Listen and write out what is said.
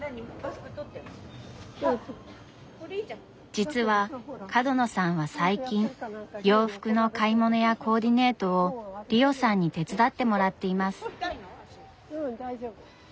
実は角野さんは最近洋服の買い物やコーディネートをリオさんに手伝ってもらっています。